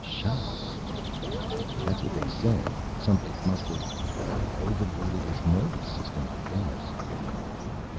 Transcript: "Shock?" "That's what they said. Something must've, uh, overloaded his nervous system ... I guess."